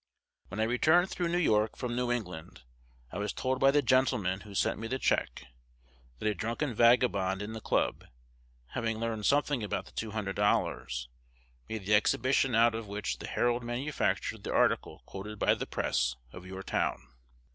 When I returned through New York from New England, I was told by the gentlemen who sent me the check, that a drunken vagabond in the club, having learned something about the $200, made the exhibition out of which "The Herald" manufactured the article quoted by "The Press" of your town.